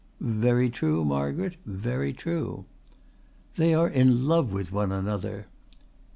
"Very true, Margaret, very true." "They are in love with one another."